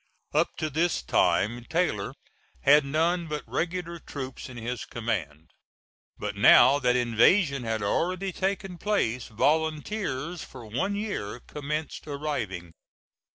Up to this time Taylor had none but regular troops in his command; but now that invasion had already taken place, volunteers for one year commenced arriving.